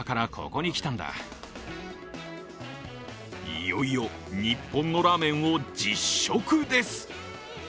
いよいよ日本のラーメンを実食です。